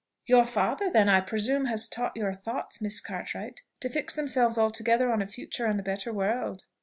"Your father, then, I presume, has taught your thoughts, Miss Cartwright, to fix themselves altogether on a future and a better world."